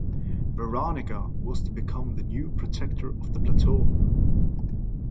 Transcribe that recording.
Veronica was to become the new Protector of the Plateau.